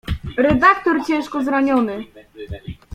"Redaktor ciężko zraniony“."